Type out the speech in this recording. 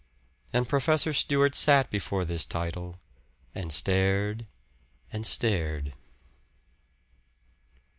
And Professor Stewart sat before this title, and stared, and stared.